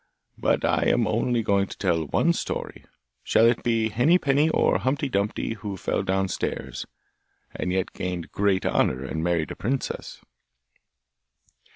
But I am only going to tell one story. Shall it be Henny Penny or Humpty Dumpty who fell downstairs, and yet gained great honour and married a princess?